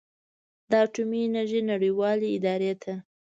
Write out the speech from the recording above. د اټومي انرژۍ نړیوالې ادارې ته